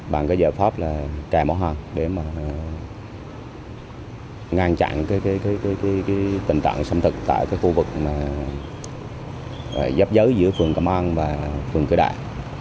bằng cái giải pháp là cài mỏ hoa để mà ngăn chặn cái tình trạng xâm thực tại cái khu vực giáp giới giữa phường cầm an và phường cửa đại